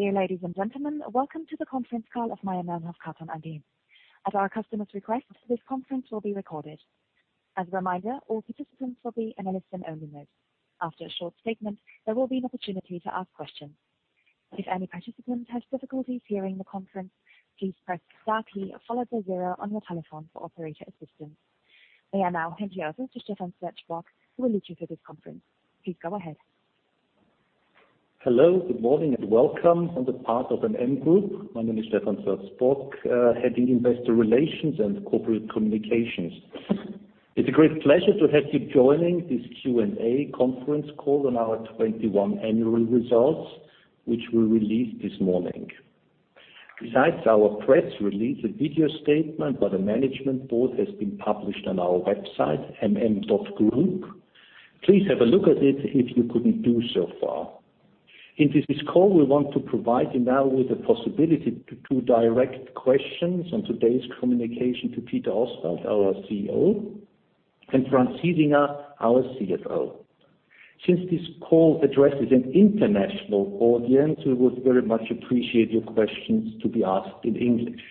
Dear ladies and gentlemen, welcome to the conference call of Mayr-Melnhof Karton AG. At our customer's request, this conference will be recorded. As a reminder, all participants will be in a listen-only mode. After a short statement, there will be an opportunity to ask questions. If any participants have difficulties hearing the conference, please press star key, followed by zero on your telephone for operator assistance. I will now hand you over to Stephan Sweerts-Sporck, who will lead you through this conference. Please go ahead. Hello, good morning, and welcome on the part of MM Group. My name is Stephan Sweerts-Sporck, Head of Investor Relations and Corporate Communications. It's a great pleasure to have you joining this Q&A conference call on our 2021 annual results, which we released this morning. Besides our press release, a video statement by the management board has been published on our website, mm.group. Please have a look at it if you couldn't do so far. In this call, we want to provide you now with the possibility to direct questions on today's communication to Peter Oswald, our CEO, and Franz Hiesinger, our CFO. Since this call addresses an international audience, we would very much appreciate your questions to be asked in English.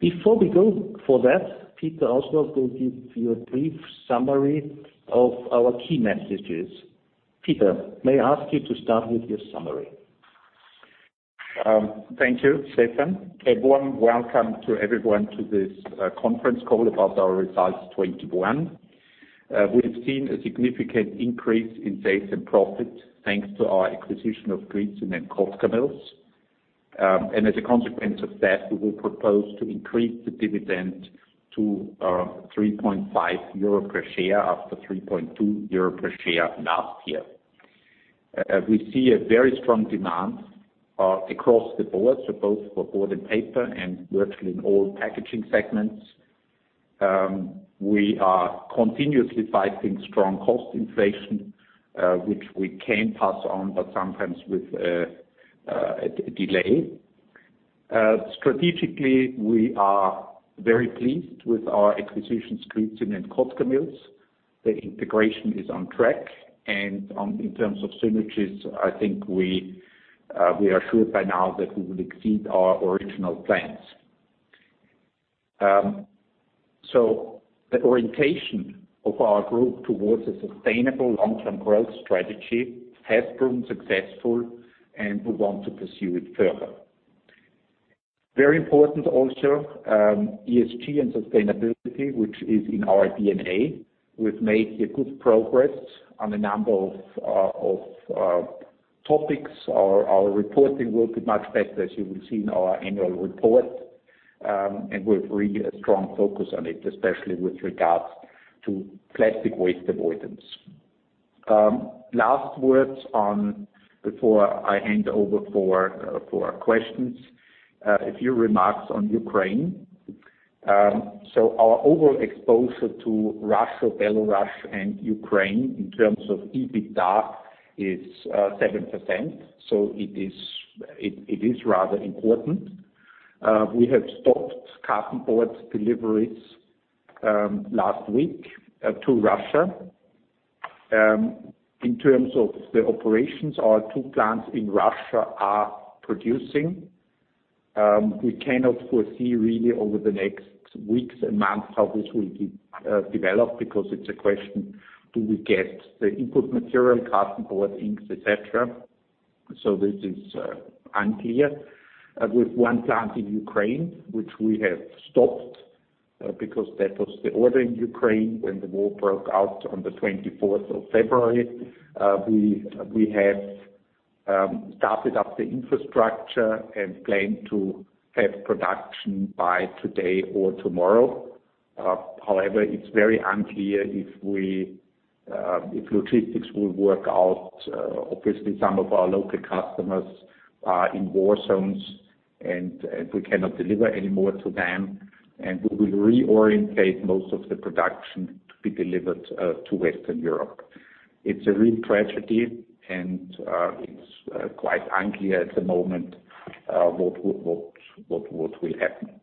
Before we go for that, Peter Oswald will give you a brief summary of our key messages. Peter, may I ask you to start with your summary? Thank you, Stephan. A warm welcome to everyone to this conference call about our results 2021. We've seen a significant increase in sales and profit thanks to our acquisition of Kwidzyn and Kotkamills. As a consequence of that, we will propose to increase the dividend to 3.5 euro per share after 3.2 euro per share last year. We see a very strong demand across the board, so both for board and paper and virtually in all packaging segments. We are continuously fighting strong cost inflation, which we can pass on, but sometimes with a delay. Strategically, we are very pleased with our acquisitions, Kwidzyn and Kotkamills. The integration is on track, and in terms of synergies, I think we are sure by now that we will exceed our original plans. The orientation of our group towards a sustainable long-term growth strategy has proven successful, and we want to pursue it further. Very important also, ESG and sustainability, which is in our DNA. We've made a good progress on a number of topics. Our reporting will be much better, as you will see in our annual report. We've really a strong focus on it, especially with regards to plastic waste avoidance. Before I hand over for questions, a few remarks on Ukraine. Our overall exposure to Russia, Belarus, and Ukraine in terms of EBITDA is 7%, so it is rather important. We have stopped cartonboard deliveries last week to Russia. In terms of the operations, our two plants in Russia are producing. We cannot foresee really over the next weeks and months how this will develop because it's a question, do we get the input material, cartonboard, inks, et cetera? This is unclear. With one plant in Ukraine, which we have stopped because that was the order in Ukraine when the war broke out on the 24th of February. We have started up the infrastructure and plan to have production by today or tomorrow. However, it's very unclear if logistics will work out. Obviously, some of our local customers are in war zones and we cannot deliver anymore to them, and we will reorient most of the production to be delivered to Western Europe. It's a real tragedy, and it's quite unclear at the moment what will happen.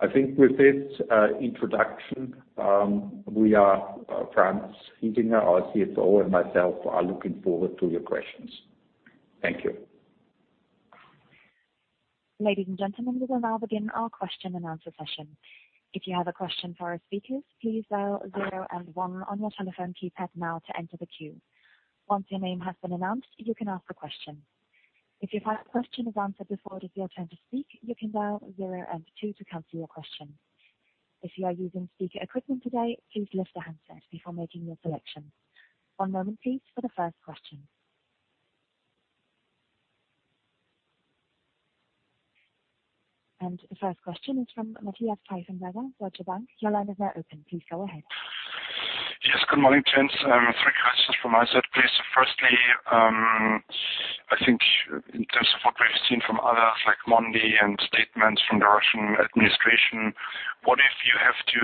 I think with this introduction, Franz Hiesinger, our CFO, and myself are looking forward to your questions. Thank you. Ladies and gentlemen, we will now begin our question and answer session. If you have a question for our speakers, please dial zero and one on your telephone keypad now to enter the queue. Once your name has been announced, you can ask a question. If your question is answered before it is your turn to speak, you can dial zero and two to cancel your question. If you are using speaker equipment today, please lift the handset before making your selection. One moment please for the first question. The first question is from Matthias Pfeifenberger, Deutsche Bank. Your line is now open. Please go ahead. Yes. Good morning, gents. Three questions from my side, please. Firstly, I think in terms of what we've seen from others, like Mondi and statements from the Russian administration, what if you have to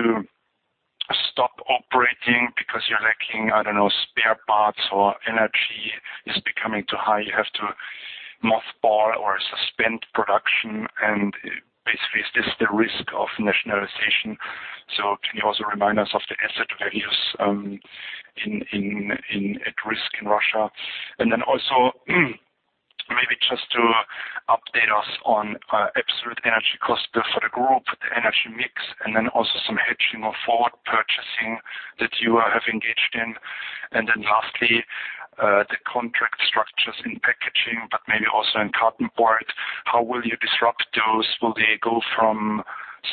stop operating because you're lacking, I don't know, spare parts or energy is becoming too high, you have to mothball or suspend production and the risk of nationalization. Can you also remind us of the asset values at risk in Russia? Also maybe just to update us on absolute energy cost for the group, the energy mix, and then also some hedging or forward purchasing that you have engaged in. Lastly, the contract structures in packaging, but maybe also in cartonboard. How will you disrupt those? Will they go from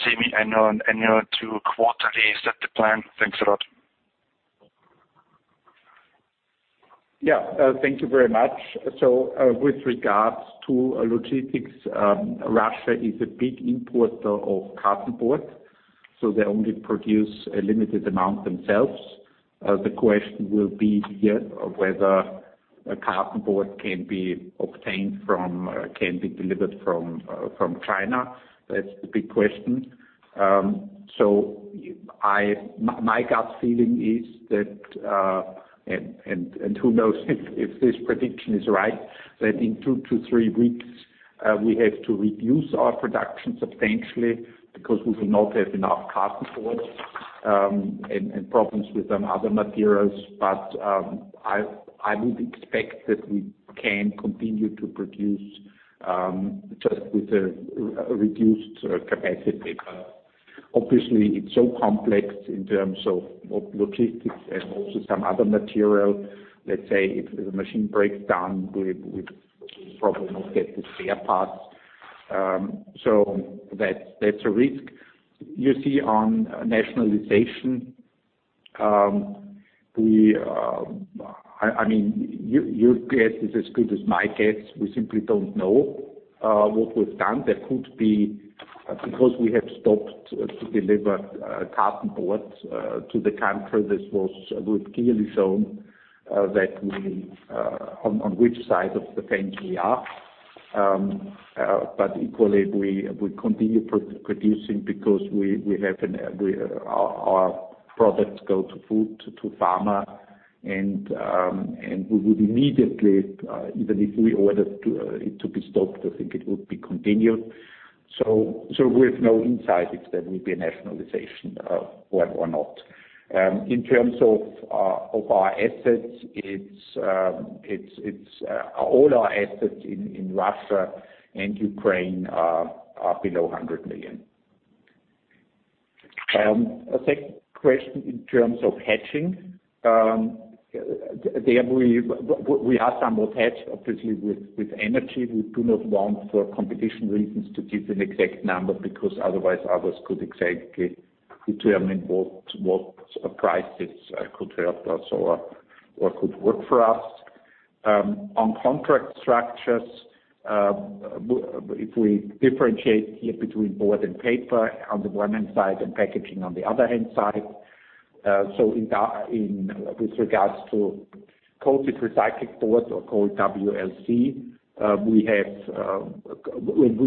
semi-annual and annual to quarterly? Is that the plan? Thanks a lot. Thank you very much. With regards to logistics, Russia is a big importer of cartonboard, so they only produce a limited amount themselves. The question will be here whether cartonboard can be delivered from China. That's the big question. My gut feeling is that, who knows if this prediction is right, that in two to three weeks, we have to reduce our production substantially because we will not have enough cartonboard, and problems with some other materials. I would expect that we can continue to produce just with a reduced capacity. Obviously it's so complex in terms of logistics and also some other material. Let's say if the machine breaks down, we probably not get the spare parts. That's a risk. You see on nationalization. I mean, your guess is as good as my guess. We simply don't know what was done. There could be because we have stopped to deliver cartonboard to the country. We've clearly shown that we on which side of the fence we are. Equally, we continue producing because our products go to food, to pharma and we would immediately even if we ordered it to be stopped, I think it would be continued. We have no insight if there will be a nationalization or not. In terms of our assets, it's all our assets in Russia and Ukraine are below 100 million. A second question in terms of hedging. We have some more hedge, obviously, with energy. We do not want, for competition reasons, to give an exact number because otherwise others could exactly determine what prices could help us or could work for us. On contract structures, if we differentiate here between board and paper on the one hand side, and packaging on the other hand side. In that with regards to coated recycled boards or coated WLC, we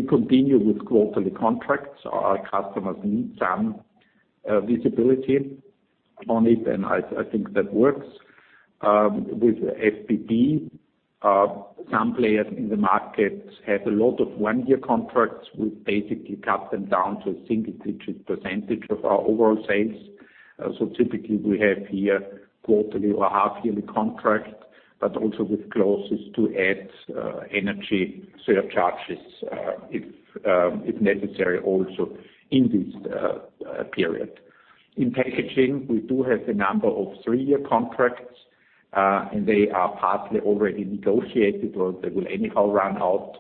continue with quarterly contracts. Our customers need some visibility on it, and I think that works. With FBB, some players in the market have a lot of one-year contracts. We've basically cut them down to a single-digit percentage of our overall sales. Typically we have here quarterly or half-yearly contract, but also with clauses to add energy surcharges, if necessary also in this period. In packaging, we do have a number of three-year contracts, and they are partly already negotiated, or they will anyhow run out.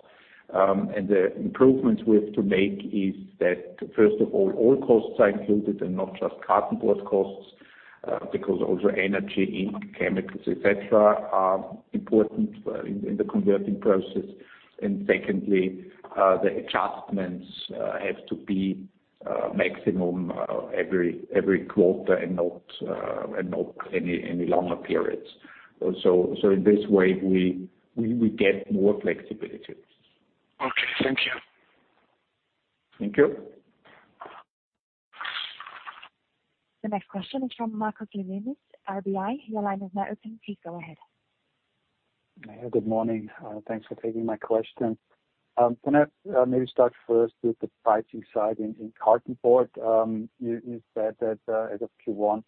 The improvements we have to make is that, first of all costs are included and not just cartonboard costs, because also energy, ink, chemicals, et cetera, are important in the converting process. Secondly, the adjustments have to be maximum every quarter and not any longer periods. In this way, we get more flexibility. Okay. Thank you. Thank you. The next question is from Markus Remis, RBI. Your line is now open. Please go ahead. Good morning. Thanks for taking my question. Can I maybe start first with the pricing side in cartonboard? You said that as of Q1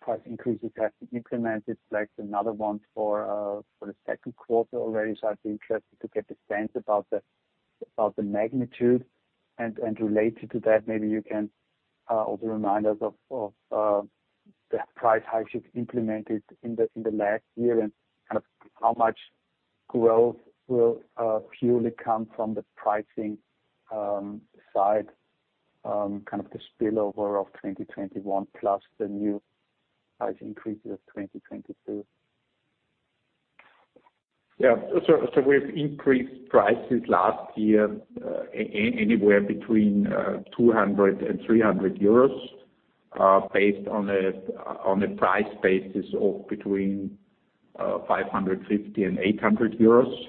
price increases have been implemented, like another one for the second quarter already. I'd be interested to get a sense about the magnitude. Related to that, maybe you can also remind us of the price hikes you've implemented in the last year and kind of how much growth will purely come from the pricing side, kind of the spillover of 2021 plus the new price increases of 2022. We've increased prices last year, anywhere between 200-300 euros, based on a price basis of between 550-800 euros.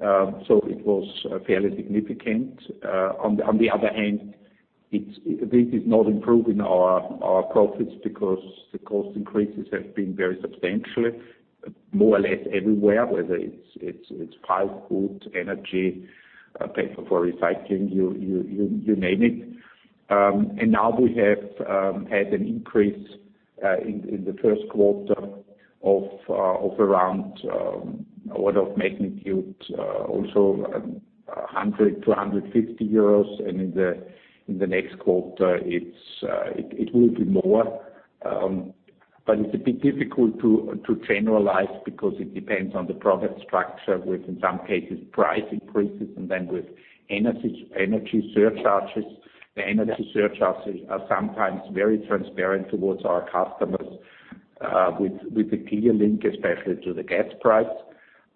It was fairly significant. This is not improving our profits because the cost increases have been very substantial, more or less everywhere, whether it's pulpwood, energy, paper for recycling, you name it. Now we have had an increase in the first quarter of around order of magnitude also 100-150 euros. In the next quarter, it will be more. It's a bit difficult to generalize because it depends on the product structure, with, in some cases, price increases and then with energy surcharges. The energy surcharges are sometimes very transparent towards our customers, with the clear link, especially to the gas price,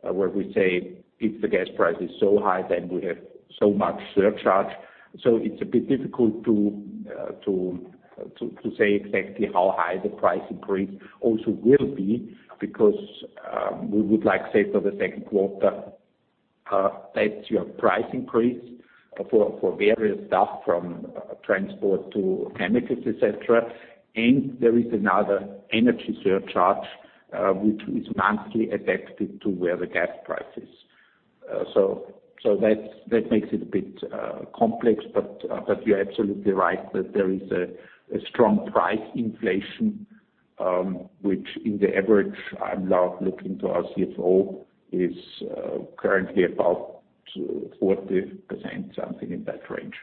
where we say, if the gas price is so high, then we have so much surcharge. It's a bit difficult to say exactly how high the price increase also will be, because we would like, say, for the second quarter, that's your price increase for various stuff from transport to chemicals, et cetera. There is another energy surcharge, which is monthly adapted to where the gas price is. That makes it a bit complex. You're absolutely right that there is a strong price inflation, which in the average, I'm now looking to our CFO, is currently about 240%, something in that range.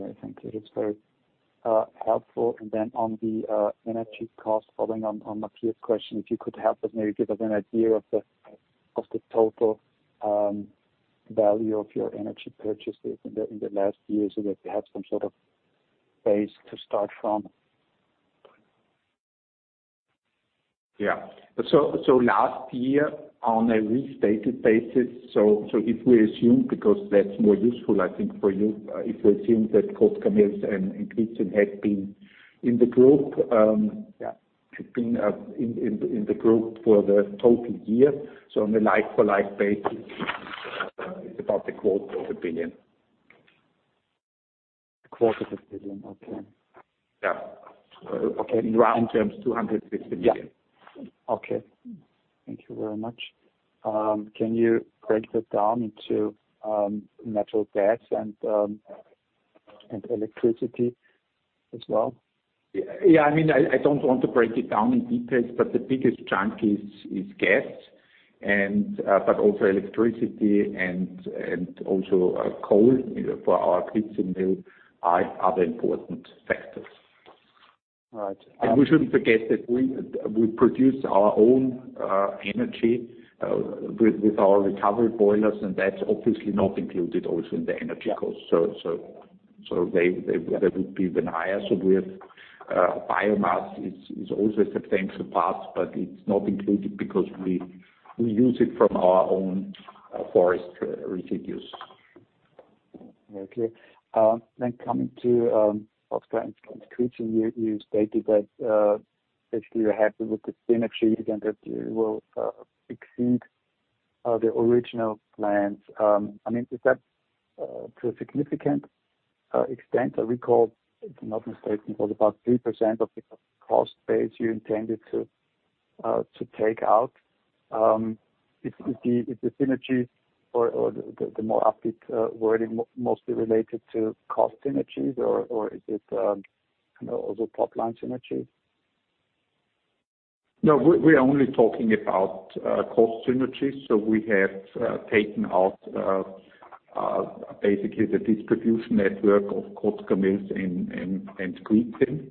Okay, thank you. That's very helpful. On the energy cost, following on Matthias' question, if you could help us, maybe give us an idea of the total value of your energy purchases in the last year so that we have some sort of base to start from. Last year, on a restated basis, if we assume, because that's more useful, I think, for you, that Kotkamills and Kwidzyn had been in the group for the total year. On a like-for-like basis, it's about a quarter of a billion EUR. A quarter of a billion. Okay. Yeah. Okay. In round terms, 250 million. Yeah. Okay. Thank you very much. Can you break that down into natural gas and electricity as well? Yeah. I mean, I don't want to break it down in details, but the biggest chunk is gas and but also electricity and also coal, you know, for our Kwidzyn mill are the important factors. All right. We shouldn't forget that we produce our own energy with our recovery boilers, and that's obviously not included also in the energy cost. Yeah. That would be even higher. With biomass is also a substantial part, but it's not included because we use it from our own forest residues. Okay. Coming to Kotkamills. You stated that basically you're happy with the synergy and that you will exceed the original plans. I mean, is that to a significant extent? I recall, if I'm not mistaken, it was about 3% of the cost base you intended to take out. Is the synergies or the more upbeat wording mostly related to cost synergies or is it, you know, also top-line synergies? No, we're only talking about cost synergies. We have taken out basically the distribution network of Kotkamills and Kwidzyn.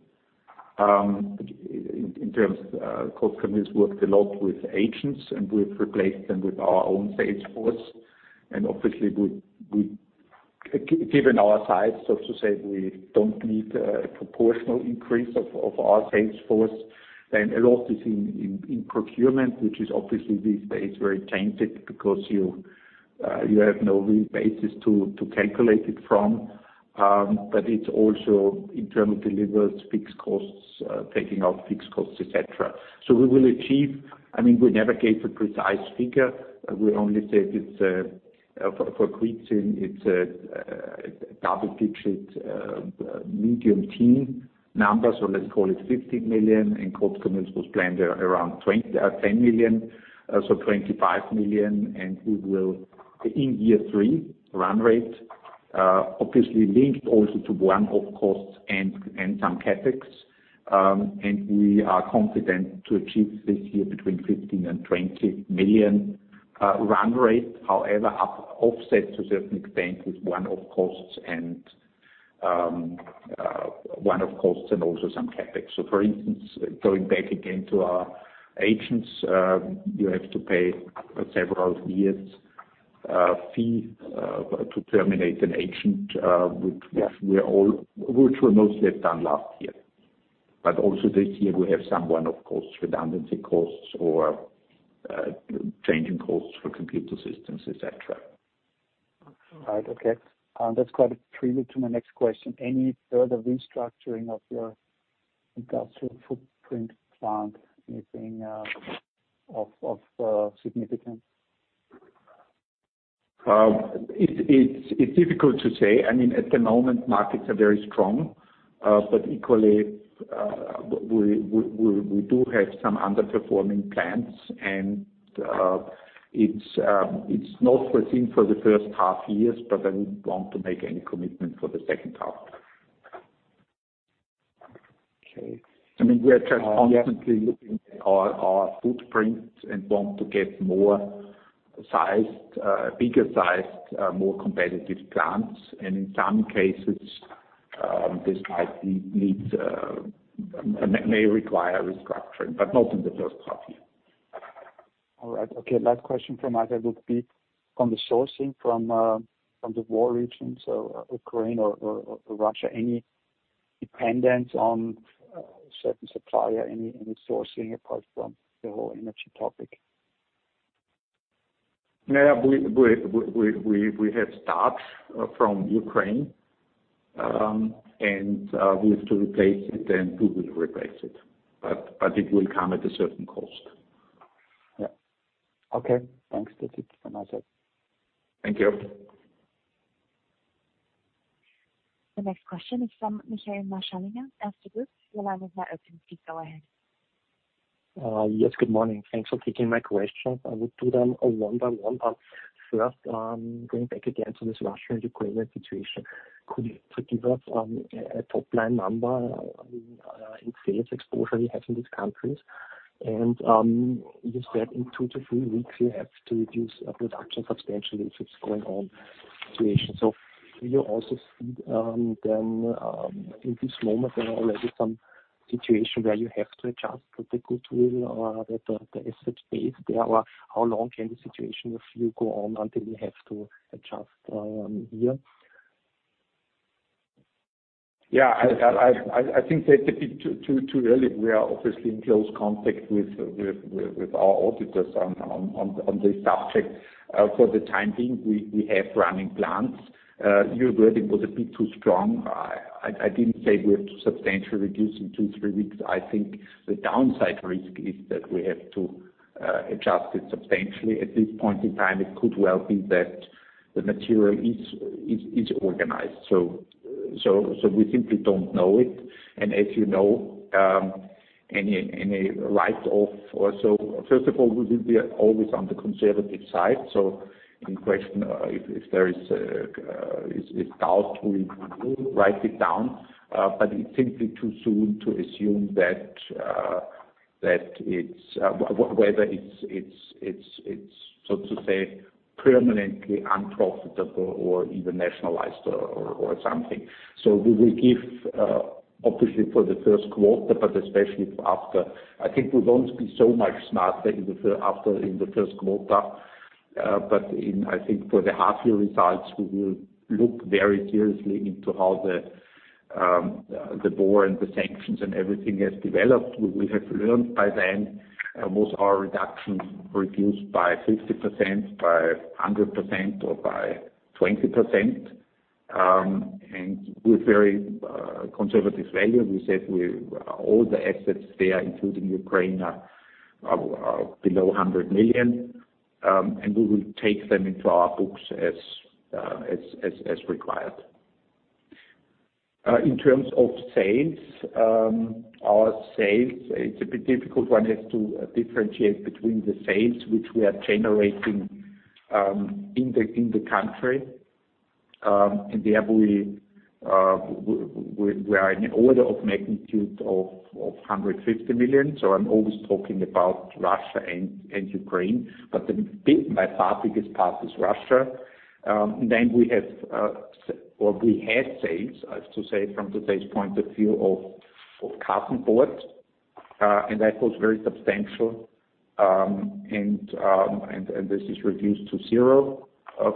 In terms of Kotkamills worked a lot with agents, and we've replaced them with our own sales force. Obviously, given our size, so to say, we don't need a proportional increase of our sales force. A lot is in procurement, which is obviously these days very tainted because you have no real basis to calculate it from. But it's also internal deliveries, fixed costs, taking out fixed costs, et cetera. We will achieve. I mean, we never gave a precise figure. We only said it's for Kwidzyn a double-digit mid-teens number. Let's call it 15 million, and Kotkamills was planned around 10 million. 25 million, and we will in year three run rate obviously linked also to one-off costs and some CapEx. We are confident to achieve this year between 15 million and 20 million run rate. However, offset to a certain extent with one-off costs and also some CapEx. For instance, going back again to our agents, you have to pay several years' fee to terminate an agent, which were mostly done last year. Also this year, we have some one-off costs, redundancy costs or changing costs for computer systems, et cetera. All right. Okay. That's quite a preview to my next question. Any further restructuring of your industrial footprint plant, anything, of significance? It's difficult to say. I mean, at the moment, markets are very strong. Equally, we do have some underperforming plans, and it's not foreseen for the first half years, but I wouldn't want to make any commitment for the second half. Okay. I mean, we are just constantly looking at our footprint and want to get bigger sized, more competitive plants. This may require restructuring, but not in the first half year. All right. Okay. Last question from us would be on the sourcing from the war regions or Ukraine or Russia. Any dependence on, certain supplier, any sourcing apart from the whole energy topic? Yeah. We have stocks from Ukraine, and we have to replace it, and we will replace it. It will come at a certain cost. Yeah. Okay. Thanks. That's it from my side. Thank you. The next question is from Michael Marschallinger. Erste Group, your line is now open. Please go ahead. Yes. Good morning. Thanks for taking my questions. I would do them one by one, but first, going back again to this Russia and Ukraine situation. Could you give us a top-line number in sales exposure you have in these countries? You said in two to three weeks you have to reduce production substantially if it's ongoing situation. So do you also see, then, in this moment, there are already some situations where you have to adjust the goodwill or the asset base there? Or how long can the situation with you go on until you have to adjust here? Yeah. I think that's a bit too early. We are obviously in close contact with our auditors on this subject. For the time being, we have running plans. It was a bit too strong. I didn't say we have to substantially reduce in two, three weeks. I think the downside risk is that we have to adjust it substantially. At this point in time, it could well be that the material is organized. We simply don't know it. As you know, any write-off or so. First of all, we will be always on the conservative side. In question, if there is doubt, we write it down. It's simply too soon to assume that whether it's so to say permanently unprofitable or even nationalized or something. We will give obviously for the first quarter, but especially after. I think we won't be so much smarter in the first quarter. After the first quarter, I think for the half year results, we will look very seriously into how the war and the sanctions and everything has developed. We will have learned by then whether our production reduced by 50%, by 100% or by 20%. With very conservative value, we said all the assets there, including Ukraine, are below 100 million. We will take them into our books as required. In terms of sales, our sales, it's a bit difficult. One has to differentiate between the sales which we are generating in the country. There we are in order of magnitude of 150 million. I'm always talking about Russia and Ukraine, but by far the biggest part is Russia. We have or we had sales, I have to say from today's point of view of cartonboard. That was very substantial. This is reduced to zero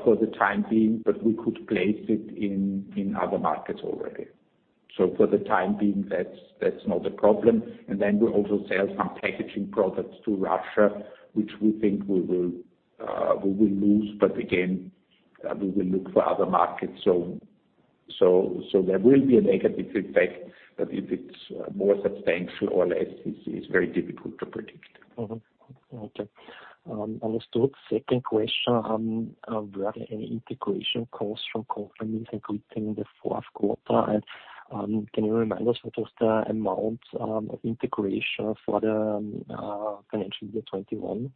for the time being, but we could place it in other markets already. For the time being, that's not a problem. Then we also sell some packaging products to Russia, which we think we will lose, but again, we will look for other markets. There will be a negative effect. If it's more substantial or less, it's very difficult to predict. Mm-hmm. Okay. Understood. Second question, were there any integration costs from companies including the fourth quarter? Can you remind us what was the amount of integration for the financial year 2021?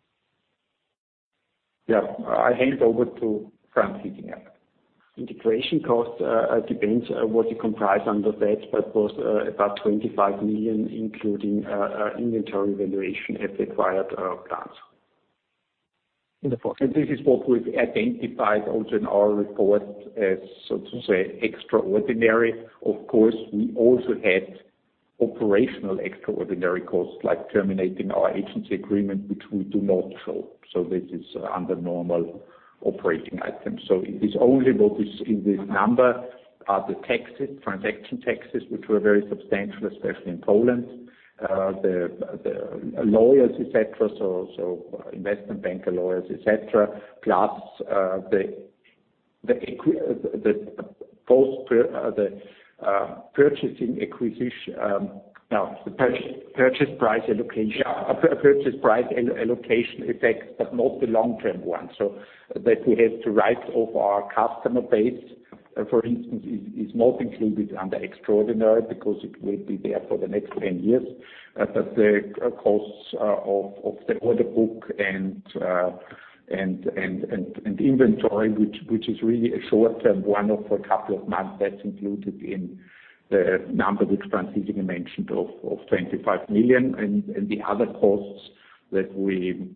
Yeah. I hand over to Franz Hiesinger now. Integration costs depends what you comprise under that, but was about 25 million, including inventory valuation at the acquired plants. In the fourth- This is what we've identified also in our report as, so to say, extraordinary. Of course, we also had operational extraordinary costs, like terminating our agency agreement, which we do not show. This is under normal operating items. It is only what is in this number are the taxes, transaction taxes, which were very substantial, especially in Poland, the lawyers, et cetera, investment banker, lawyers, et cetera, plus the purchase price allocation. No, the purchase price allocation. Yeah. Purchase price allocation effects, but not the long-term ones. That we have to write off our customer base, for instance, is not included under extraordinary, because it will be there for the next 10 years. But the costs of the order book and the inventory, which is really a short-term one of a couple of months, that's included in the number which Franz Hiesinger mentioned of 25 million. The other costs that we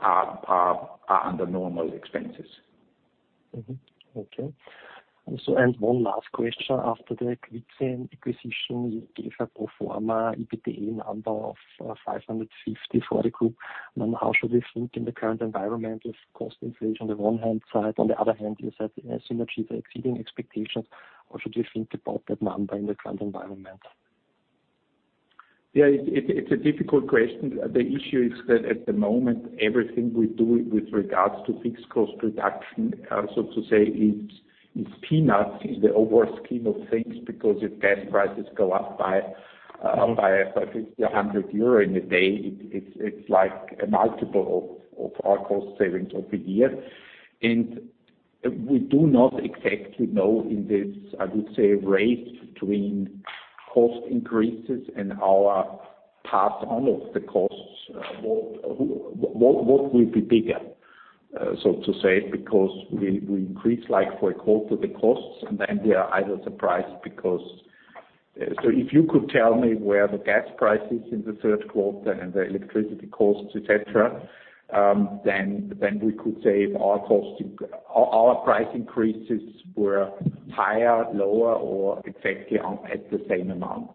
are under normal expenses. Mm-hmm. Okay. One last question. After the Kwidzyn acquisition, you gave a pro forma EBITDA number of 550 for the group. How should we think in the current environment with cost inflation on the one hand side, on the other hand, you said synergies are exceeding expectations. What should we think about that number in the current environment? Yeah. It's a difficult question. The issue is that at the moment, everything we do with regards to fixed cost reduction, so to say, it's peanuts in the overall scheme of things, because if gas prices go up by, Mm-hmm. By EUR 50, 100 euro in a day, it's like a multiple of our cost savings over the year. We do not exactly know in this, I would say, race between cost increases and our pass on of the costs, what will be bigger, so to say, because we increase, like for a quarter, the costs, and then we are either surprised because if you could tell me where the gas price is in the third quarter and the electricity costs, et cetera, then we could say if our costs, our price increases were higher, lower, or exactly on at the same amount.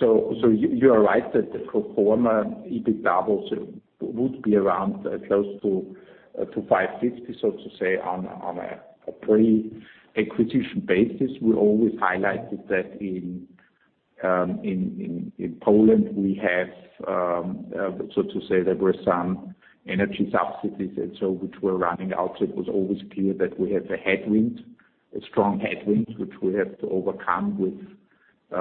You are right that the pro forma EBITDA would be around close to 550, so to say, on a pre-acquisition basis. We always highlighted that in Poland we have, so to say, there were some energy subsidies and so which were running out. It was always clear that we have a headwind, a strong headwind, which we have to overcome with,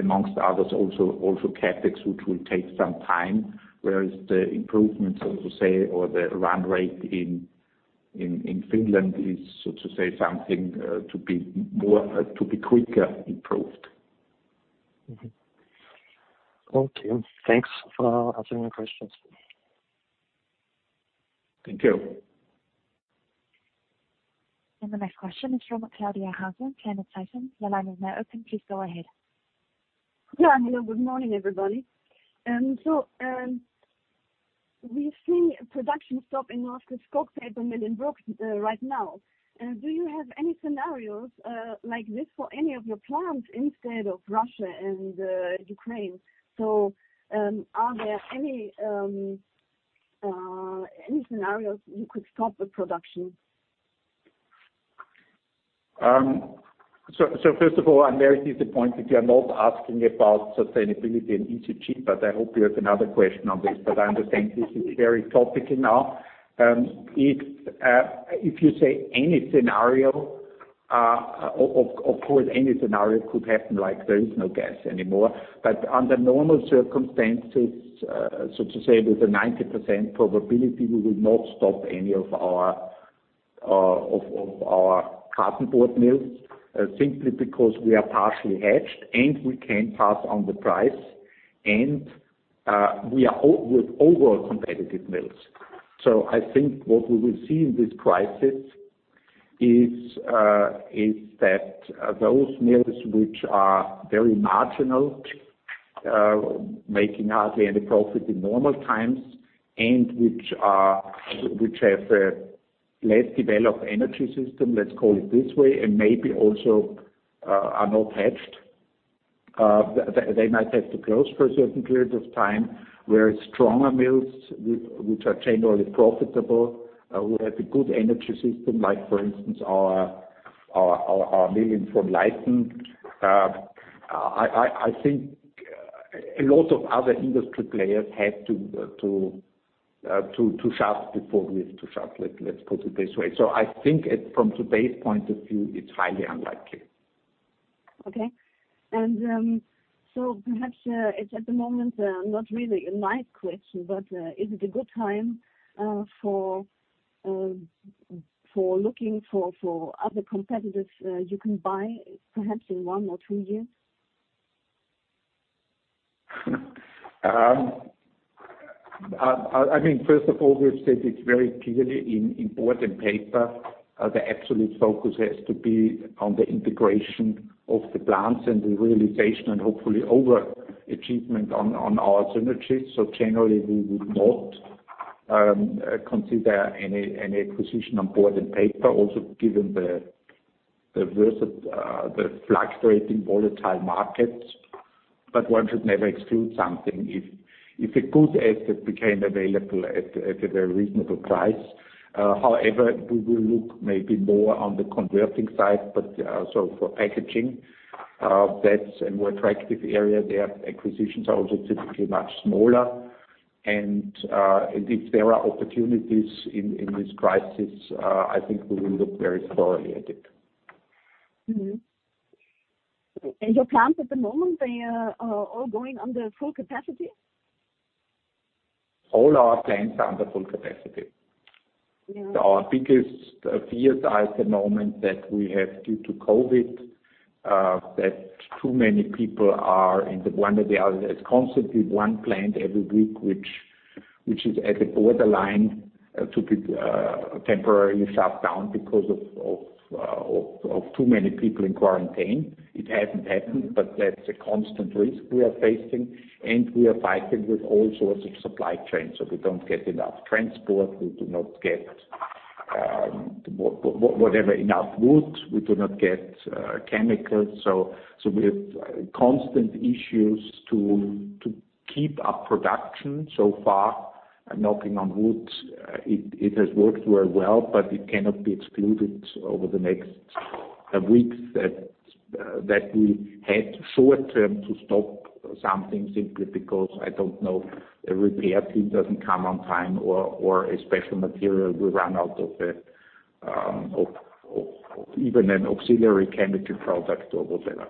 amongst others also CapEx, which will take some time. Whereas the improvements, so to say, or the run rate in Finland is, so to say, something to be quicker improved. Mm-hmm. Okay. Thanks for answering my questions. Thank you. The next question is from. Your line is now open. Please go ahead. Yeah. Hello, good morning, everybody. We've seen a production stop in one of your paper mills in Bruck right now. Do you have any scenarios like this for any of your plants outside of Russia and Ukraine? Are there any scenarios you could stop the production? First of all, I'm very disappointed you are not asking about sustainability and ESG, but I hope you have another question on this. I understand this is a very hot topic now. If you say any scenario, of course, any scenario could happen, like there is no gas anymore. Under normal circumstances, so to say, with 90% probability, we would not stop any of our cartonboard mills, simply because we are partially hedged, and we can pass on the price, and we are overall competitive. I think what we will see in this crisis is that those mills which are very marginal, making hardly any profit in normal times, and which have a less developed energy system, let's call it this way, and maybe also are not hedged, they might have to close for a certain period of time. Whereas stronger mills which are generally profitable, who have a good energy system, like for instance our mill in Frohnleiten. I think a lot of other industry players had to shut before we've to shut. Let's put it this way. I think it, from today's point of view, it's highly unlikely. Okay. Perhaps it's at the moment, not really a live question, but is it a good time for looking for other competitors you can buy perhaps in one or two years? I mean, first of all, we've said it very clearly in Board and Paper, the absolute focus has to be on the integration of the plants and the realization and hopefully overachievement on our synergies. Generally, we would not consider any acquisition on Board and Paper also given the adverse of the fluctuating volatile markets, but one should never exclude something if a good asset became available at a very reasonable price. However, we will look maybe more on the converting side, but so for Packaging, that's a more attractive area. Their acquisitions are also typically much smaller. If there are opportunities in this crisis, I think we will look very thoroughly at it. Mm-hmm. Your plants at the moment, they are all going under full capacity? All our plants are under full capacity. Yeah. Our biggest fear at the moment that we have due to COVID. One or the other, there's constantly one plant every week which is at the borderline to be temporarily shut down because of too many people in quarantine. It hasn't happened, but that's a constant risk we are facing. We are fighting with all sorts of supply chains, so we don't get enough transport. We do not get whatever, enough wood. We do not get chemicals. We have constant issues to keep our production. So far, knocking on wood, it has worked very well, but it cannot be excluded over the next weeks that we had short-term to stop something simply because I don't know a repair team doesn't come on time or a special material we run out of it, of even an auxiliary chemical product or whatever.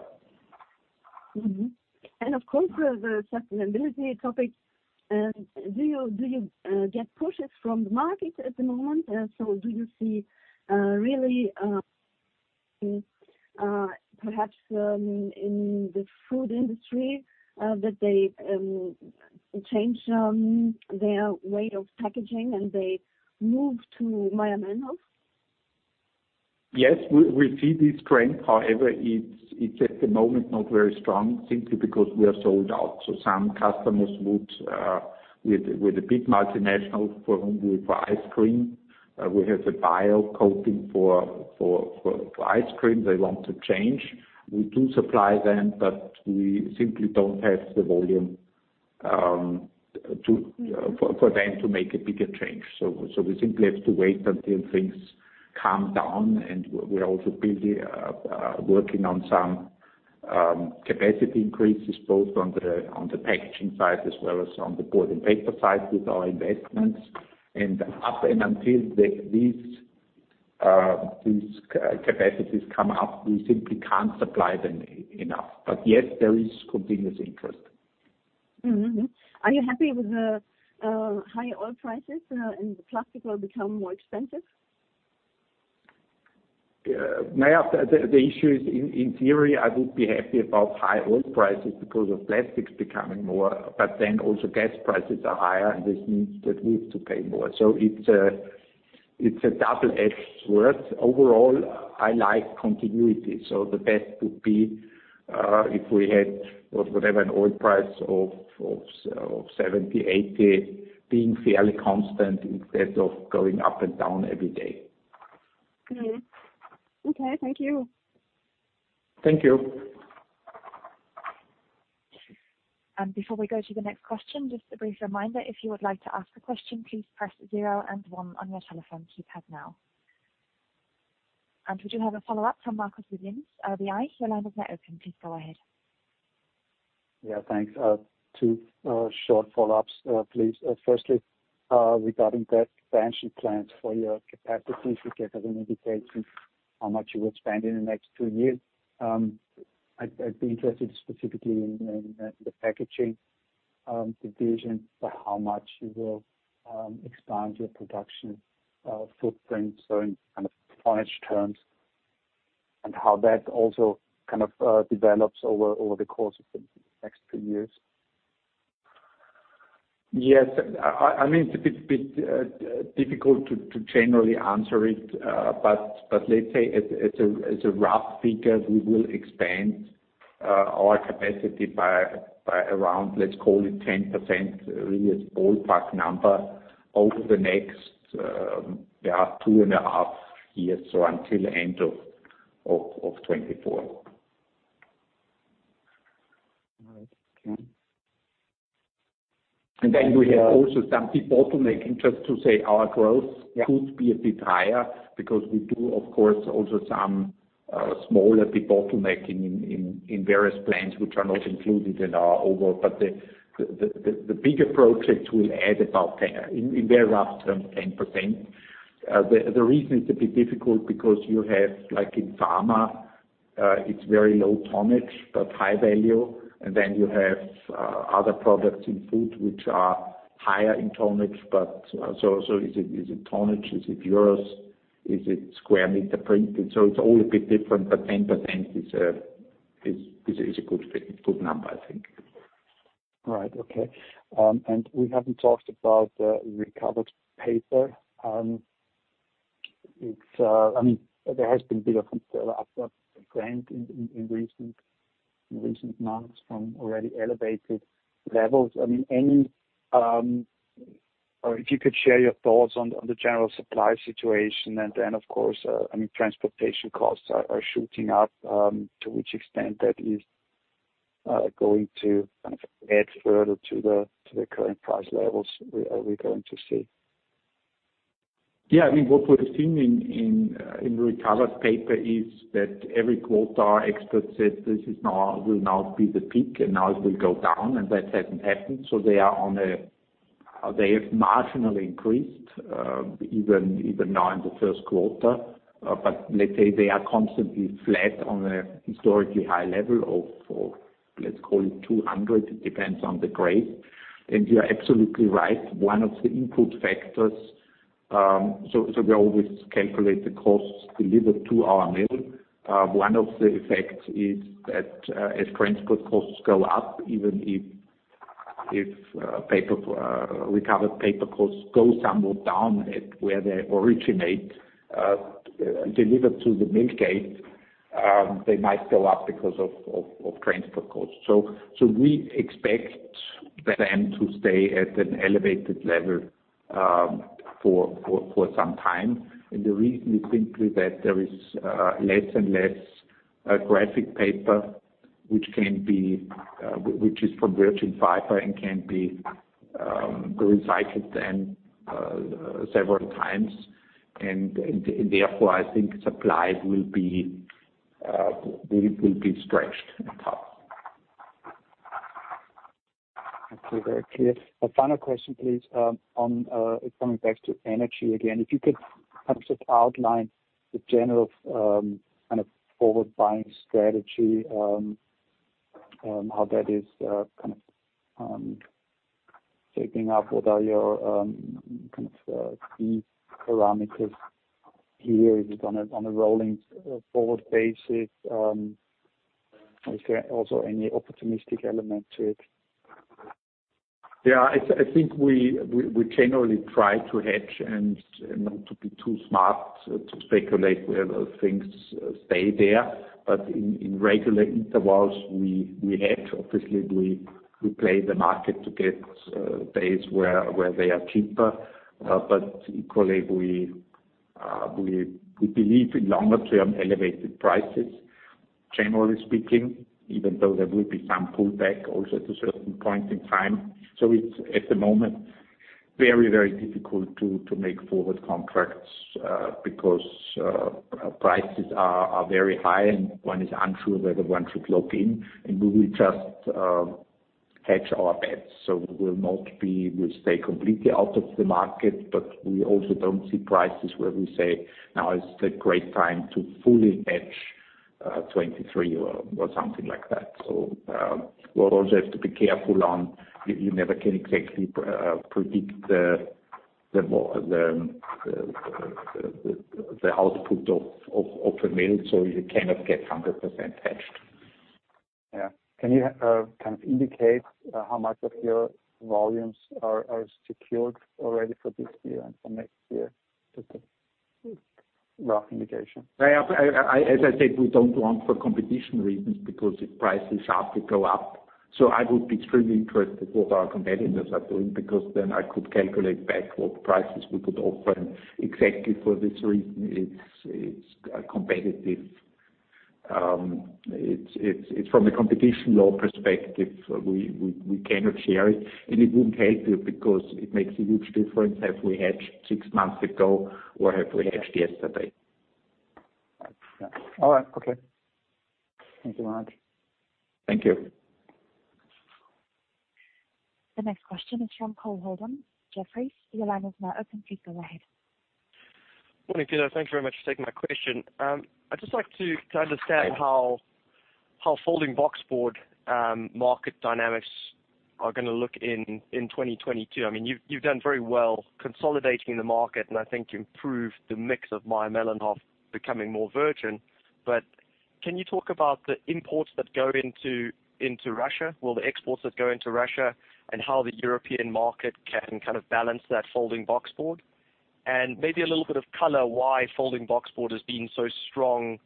Mm-hmm. Of course, the sustainability topic, do you get pushes from the market at the moment? Do you see really perhaps in the food industry that they change their way of packaging and they move to Mayr-Melnhof? Yes, we see this trend. However, it's at the moment not very strong simply because we are sold out. Some customers, the big multinationals for whom we provide ice cream. We have the bio coating for ice cream they want to change. We do supply them, but we simply don't have the volume for them to make a bigger change. We simply have to wait until things calm down. We're also busy working on some capacity increases both on the packaging side as well as on the board and paper side with our investments. Up until these capacities come up, we simply can't supply them enough. Yes, there is continuous interest. Mm-hmm, mm-hmm. Are you happy with the high oil prices, and the plastic will become more expensive? The issue is, in theory, I would be happy about high oil prices because of plastics becoming more, but then also gas prices are higher, and this means that we have to pay more. It's a double-edged sword. Overall, I like continuity, the best would be if we had whatever an oil price of 70-80 being fairly constant instead of going up and down every day. Mm-hmm. Okay, thank you. Thank you. Before we go to the next question, just a brief reminder, if you would like to ask a question, please press 0 and 1 on your telephone keypad now. We do have a follow-up from Markus Remis of Raiffeisen Bank International. Your line is now open. Please go ahead. Yeah, thanks. Two short follow-ups, please. Firstly, regarding the expansion plans for your capacities, if you could give an indication how much you would spend in the next two years. I'd be interested specifically in the packaging division, but how much you will expand your production footprint, so in kind of tonnage terms, and how that also kind of develops over the course of the next two years. Yes. I mean, it's a bit difficult to generally answer it. Let's say as a rough figure, we will expand our capacity by around, let's call it 10%, really as ballpark number, over the next two and a half years, so until end of 2024. All right. Okay. We have also some debottlenecking, just to say our growth. Yeah. It could be a bit higher because we do, of course, also some smaller debottlenecking in various plants which are not included in our overall. The bigger projects will add about 10% in very rough terms. The reason is a bit difficult because you have, like in pharma, it's very low tonnage but high value. Then you have other products in food which are higher in tonnage, but so is it tonnage? Is it euros? Is it square meter printed? It's all a bit different, but 10% is a good number I think. Right. Okay. We haven't talked about recovered paper. I mean, there has been a bit of a glut in recent months from already elevated levels. Or if you could share your thoughts on the general supply situation and then of course, I mean, transportation costs are shooting up. To what extent that is going to kind of add further to the current price levels we're going to see? Yeah, I mean, what we're seeing in recovered paper is that every quarter experts said will now be the peak and now it will go down, and that hasn't happened. They have marginally increased, even now in the first quarter. Let's say they are constantly flat on a historically high level of, for let's call it 200, it depends on the grade. You're absolutely right, one of the input factors. We always calculate the costs delivered to our mill. One of the effects is that, as transport costs go up, even if recovered paper costs go somewhat down at where they originate, delivered to the mill gate, they might go up because of transport costs. We expect them to stay at an elevated level for some time. The reason is simply that there is less and less graphic paper which is from virgin fiber and can be recycled then several times. Therefore, I think supply will be stretched and tough. Okay. Very clear. A final question, please, on coming back to energy again. If you could kind of just outline the general, kind of forward buying strategy, how that is, kind of, shaping up. What are your, kind of, key parameters here? Is it on a rolling forward basis? Is there also any opportunistic element to it? Yeah. I think we generally try to hedge and not to be too smart to speculate whether things stay there. In regular intervals, we hedge. Obviously, we play the market to get days where they are cheaper. Equally, we believe in longer term elevated prices, generally speaking, even though there will be some pullback also to certain points in time. It's at the moment very difficult to make forward contracts because prices are very high and one is unsure whether one should lock in, and we will just hedge our bets. We'll stay completely out of the market, but we also don't see prices where we say, now is the great time to fully hedge 2023 or something like that. We'll also have to be careful on you. You never can exactly predict the output of the mill, so you cannot get 100% hedged. Yeah. Can you kind of indicate how much of your volumes are secured already for this year and for next year? Just a rough indication. As I said, we don't want for competition reasons because if prices sharply go up. I would be extremely interested what our competitors are doing because then I could calculate back what prices we could offer. Exactly for this reason, it's competitive. It's from a competition law perspective, we cannot share it, and it wouldn't help you because it makes a huge difference have we hedged six months ago or have we hedged yesterday. All right. Okay. Thank you very much. Thank you. The next question is from Cole Hathorn, Jefferies. Your line is now open. Please go ahead. Morning, Peter. Thanks very much for taking my question. I'd just like to understand how folding boxboard market dynamics are gonna look in 2022. I mean, you've done very well consolidating the market, and I think you improved the mix of Mayr-Melnhof becoming more virgin. But can you talk about the exports that go into Russia and how the European market can kind of balance that folding boxboard? And maybe a little bit of color why folding boxboard has been so strong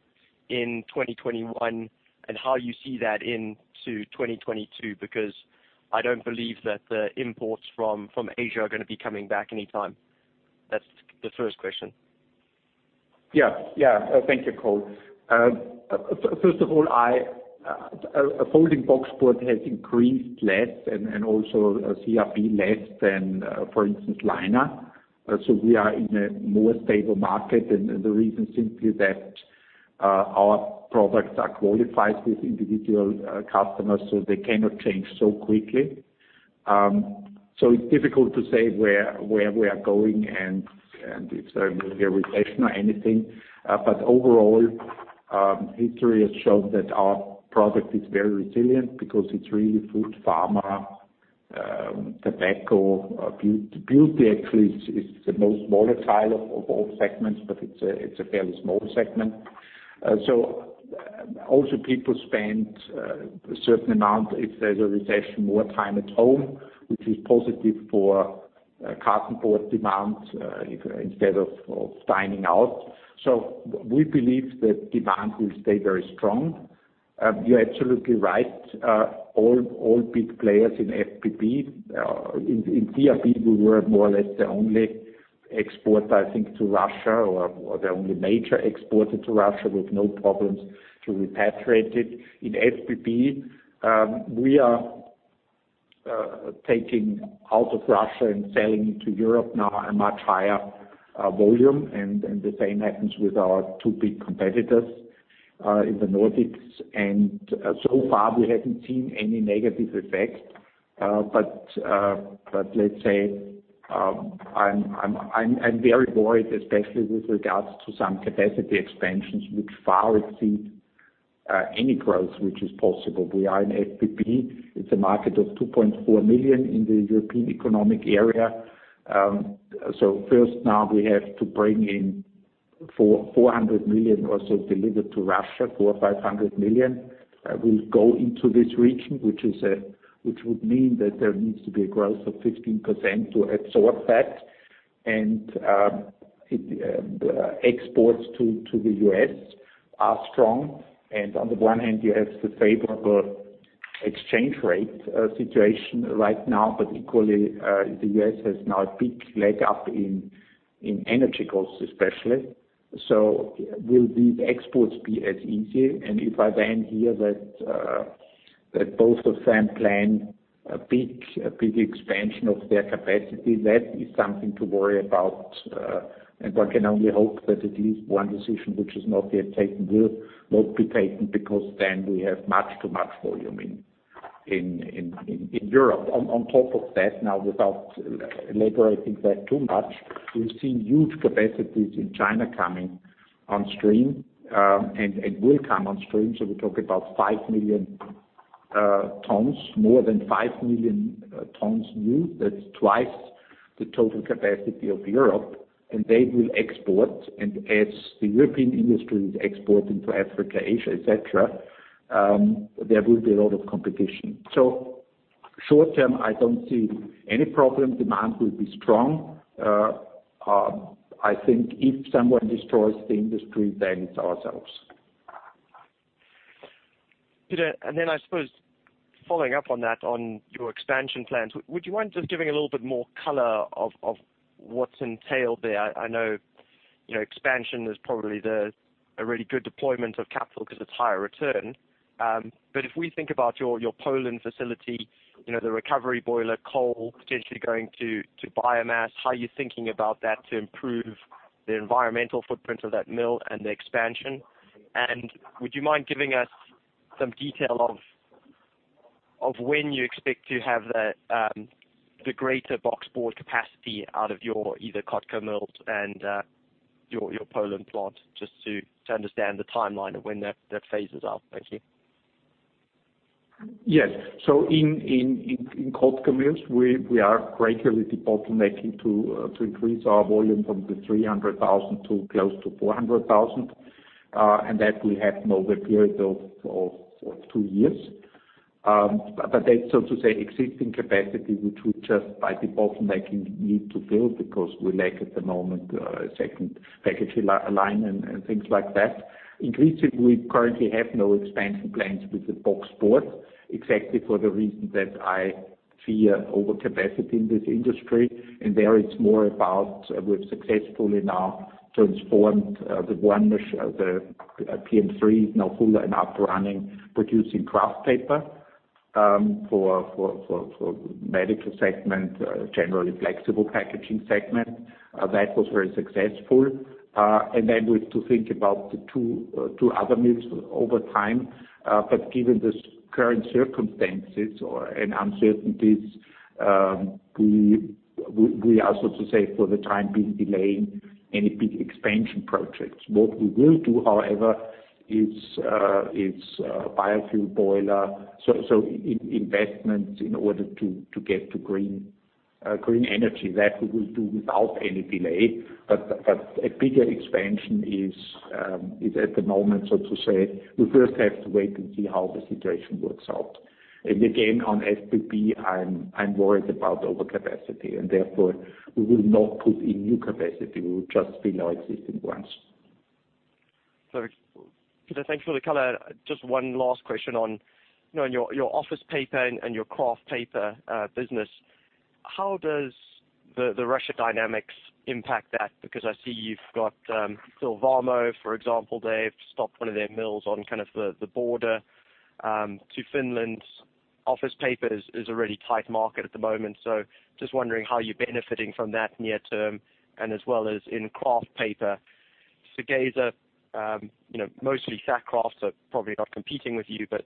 in 2021, and how you see that into 2022, because I don't believe that the imports from Asia are gonna be coming back anytime. That's the first question. Yeah. Yeah. Thank you, Cole. First of all, Folding Boxboard has increased less, and also CRB less than, for instance, liner. So we are in a more stable market, and the reason simply that our products are qualified with individual customers, so they cannot change so quickly. So it's difficult to say where we are going and if there will be a recession or anything. But overall, history has shown that our product is very resilient because it's really food, pharma, tobacco. Beauty actually is the most volatile of all segments, but it's a fairly small segment. So also people spend a certain amount if there's a recession, more time at home, which is positive for cartonboard demand instead of dining out. We believe that demand will stay very strong. You're absolutely right. All big players in FBB, in CRB, we were more or less the only exporter, I think, to Russia or the only major exporter to Russia with no problems to repatriate it. In FBB, we are taking out of Russia and selling to Europe now at a much higher volume. The same happens with our two big competitors in the Nordics. So far, we haven't seen any negative effect. Let's say, I'm very worried, especially with regards to some capacity expansions which far exceed any growth which is possible. We are in FBB. It's a market of 2.4 million in the European Economic Area. First now we have to bring in 400 million also delivered to Russia, 400 million, 500 million will go into this region, which would mean that there needs to be a growth of 15% to absorb that. Exports to The U.S. are strong. On the one hand, you have the favorable exchange rate situation right now, but equally, The U.S. has now a big leg up in energy costs especially. Will these exports be as easy? If I then hear that both of them plan a big expansion of their capacity, that is something to worry about. One can only hope that at least one decision which is not yet taken will not be taken, because then we have much too much volume in Europe. On top of that, now without elaborating that too much, we've seen huge capacities in China coming on stream, and will come on stream. So we talk about 5 million tons, more than 5 million tons new. That's twice the total capacity of Europe, and they will export. As the European industry is exporting to Africa, Asia, et cetera, there will be a lot of competition. So short-term, I don't see any problem. Demand will be strong. I think if someone destroys the industry, then it's ourselves. Peter, then I suppose following up on that, on your expansion plans, would you mind just giving a little bit more color of what's entailed there? I know, you know, expansion is probably a really good deployment of capital 'cause it's higher return. But if we think about your Poland facility, you know, the recovery boiler coal potentially going to biomass, how are you thinking about that to improve the environmental footprint of that mill and the expansion? Would you mind giving us some detail of when you expect to have the greater boxboard capacity out of your either Kotkamills and your Poland plant, just to understand the timeline of when that phases out. Thank you. Yes. In Kotkamills, we are gradually debottlenecking to increase our volume from 300,000 to close to 400,000. That we have now the period of two years. But that's so to say, existing capacity, which we just by debottlenecking need to build because we lack at the moment second packaging line and things like that. Increasingly, we currently have no expansion plans with the boxboard, exactly for the reason that I fear overcapacity in this industry. There it's more about we've successfully now transformed the one machine, the PM3 now fully and up and running, producing kraft paper for medical segment, generally flexible packaging segment. That was very successful. We have to think about the two other mills over time. Given the current circumstances and uncertainties, we are so to say for the time being delaying any big expansion projects. What we will do, however, is investments in biofuel boiler in order to get to green energy; that we will do without any delay. A bigger expansion is at the moment, so to say, we first have to wait and see how the situation works out. Again, on FBB, I'm worried about overcapacity, and therefore we will not put in new capacity. We will just fill our existing ones. Perfect. Peter, thanks for the color. Just one last question on, you know, your office paper and your kraft paper business. How does the Russia dynamics impact that? Because I see you've got Sylvamo, for example. They've stopped one of their mills on kind of the border to Finland. Office paper is a really tight market at the moment. So just wondering how you're benefiting from that near term and as well as in kraft paper. Stora Enso, you know, mostly sack kraft are probably not competing with you, but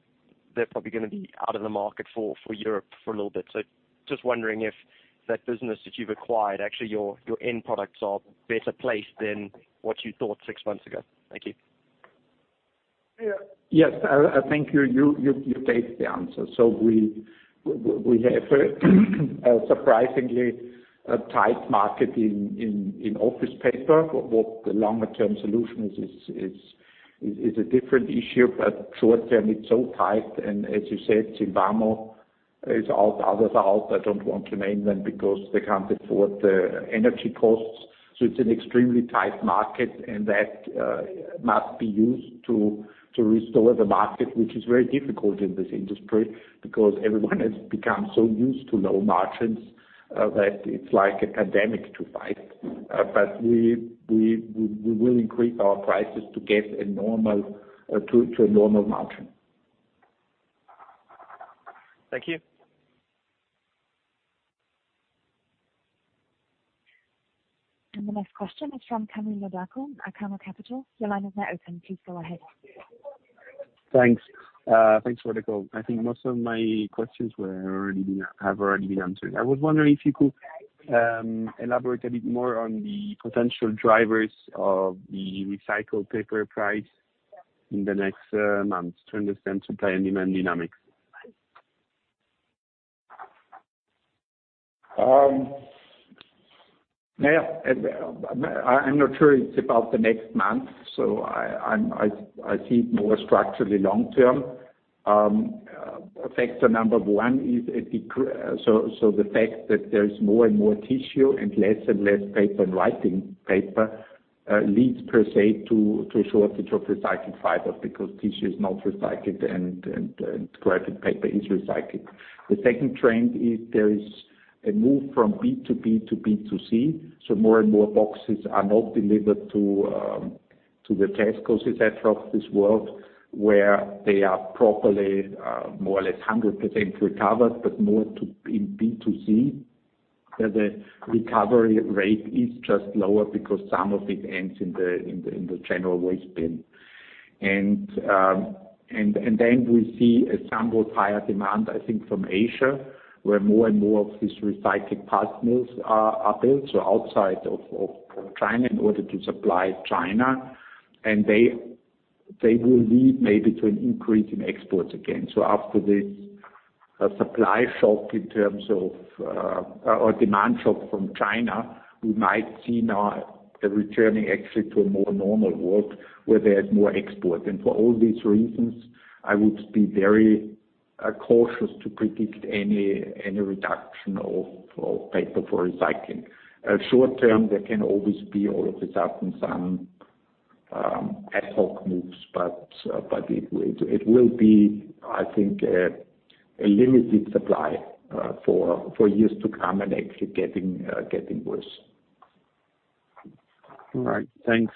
they're probably gonna be out of the market for Europe for a little bit. So just wondering if that business that you've acquired, actually your end products are better placed than what you thought six months ago. Thank you. Yeah. Yes. I think you gave the answer. We have a surprisingly tight market in office paper. What the longer term solution is a different issue. Short-term, it's so tight, and as you said, Sylvamo is out. Others are out. I don't want to name them because they can't afford the energy costs. It's an extremely tight market, and that must be used to restore the market, which is very difficult in this industry because everyone has become so used to low margins that it's like a pandemic to fight. We will increase our prices to get a normal to a normal margin. Thank you. The next question is from Cameron, Acamo Capital. Your line is now open. Please go ahead. Thanks. Thanks for the call. I think most of my questions have already been answered. I was wondering if you could elaborate a bit more on the potential drivers of the recycled paper price in the next months to understand supply and demand dynamics. Yeah. I'm not sure it's about the next month, so I see it more structurally long-term. Factor number one is the fact that there's more and more tissue and less and less paper and writing paper leads per se to a shortage of recycled fiber because tissue is not recycled and graphic paper is recycled. The second trend is there is a move from B2B to B2C, so more and more boxes are not delivered to the Tesco et cetera of this world, where they are properly more or less 100% recovered, but more to B2C, where the recovery rate is just lower because some of it ends in the general waste bin. We see a somewhat higher demand, I think, from Asia, where more and more of these recycling partners are built, so outside of China in order to supply China. They will lead maybe to an increase in exports again. After this demand shock from China, we might see now actually a returning to a more normal world where there's more export. For all these reasons, I would be very cautious to predict any reduction of paper for recycling. Short-term, there can always be all of a sudden some ad hoc moves, but it will be, I think, a limited supply for years to come and actually getting worse. All right. Thanks.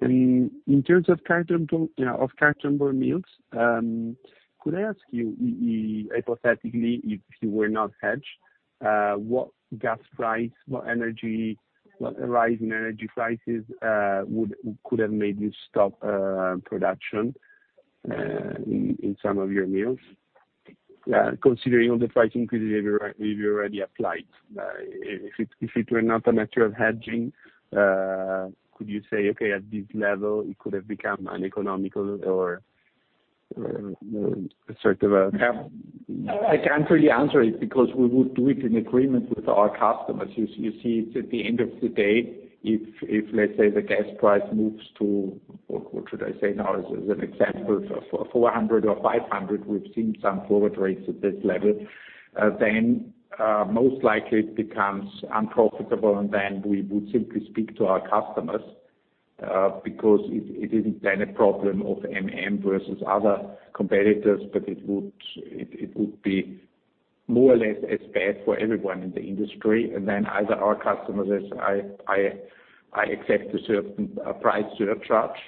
In terms of cartonboard, you know, of cartonboard mills, could I ask you, hypothetically, if you were not hedged, what gas price, what energy, what rise in energy prices could have made you stop production in some of your mills? Considering all the price increases you've already applied. If it were not a matter of hedging, could you say, "Okay, at this level, it could have become uneconomical," or sort of a Yeah. I can't really answer it because we would do it in agreement with our customers. You see, it's at the end of the day, if let's say the gas price moves to what should I say now as an example 400 or 500, we've seen some forward rates at this level, then most likely it becomes unprofitable and then we would simply speak to our customers because it isn't then a problem of MM versus other competitors, but it would be more or less as bad for everyone in the industry. Either our customers is I accept a certain price surcharge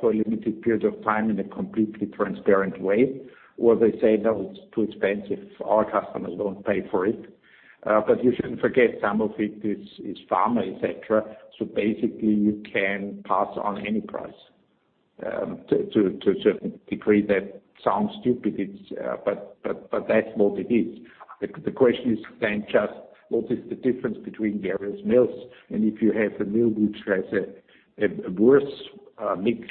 for a limited period of time in a completely transparent way, or they say, "No, it's too expensive. Our customers won't pay for it." You shouldn't forget some of it is pharma, et cetera, so basically you can pass on any price. To a certain degree that sounds stupid, but that's what it is. The question is then just what is the difference between various mills? If you have a mill which has a worse mix,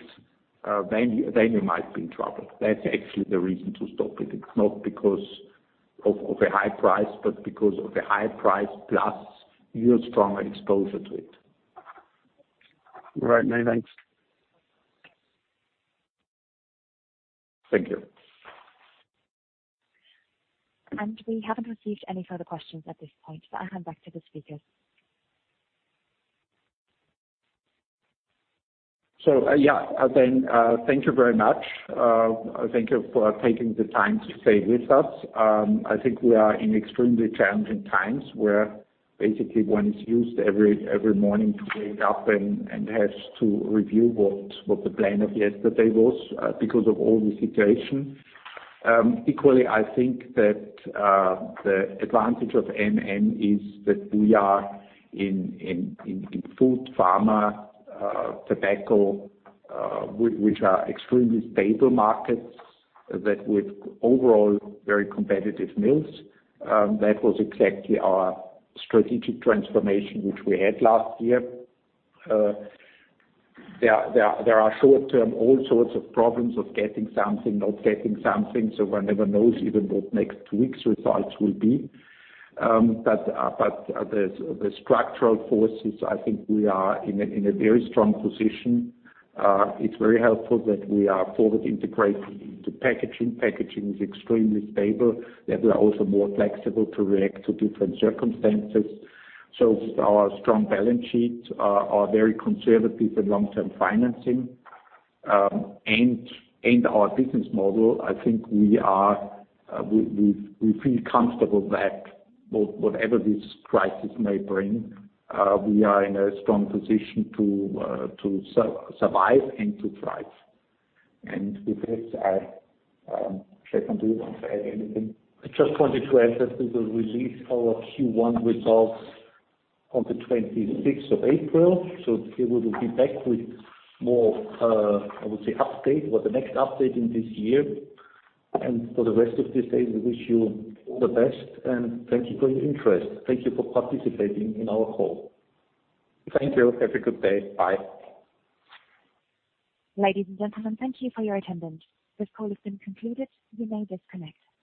then you might be in trouble. That's actually the reason to stop it. It's not because of a high price, but because of the high price plus your strong exposure to it. All right. No, thanks. Thank you. We haven't received any further questions at this point. I hand back to the speakers. Again, thank you very much. Thank you for taking the time to stay with us. I think we are in extremely challenging times, where basically one is used every morning to wake up and has to review what the plan of yesterday was, because of all the situation. Equally, I think that the advantage of MM is that we are in food, pharma, tobacco, which are extremely stable markets that with overall very competitive mills, that was exactly our strategic transformation, which we had last year. There are short-term all sorts of problems of getting something, not getting something, so one never knows even what next week's results will be. The structural forces, I think we are in a very strong position. It's very helpful that we are forward integrated into packaging. Packaging is extremely stable. That we are also more flexible to react to different circumstances. Our strong balance sheets are very conservative and long-term financing. Our business model, I think we feel comfortable that whatever this crisis may bring, we are in a strong position to survive and to thrive. With this, Stephan, do you want to add anything? I just wanted to add that we will release our Q1 results on the 26 of April. We will be back with more, I would say update, or the next update in this year. For the rest of this day, we wish you all the best, and thank you for your interest. Thank you for participating in our call. Thank you. Have a good day. Bye. Ladies and gentlemen, thank you for your attendance. This call has been concluded. You may disconnect.